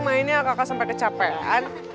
mainnya kakak sampai kecapean